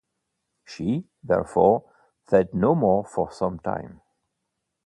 She, therefore, said no more for some time.